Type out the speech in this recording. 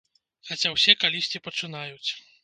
Хаця ўсе калісьці пачынаюць.